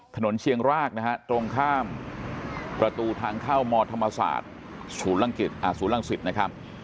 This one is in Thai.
เชียงรากนะฮะตรงข้ามประตูทางเข้ามธรรมศาสตร์ศูนย์รังสิตนะครับ